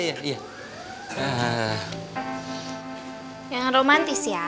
gak bisa dong jangan romantis ya